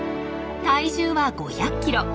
体重は５００キロ。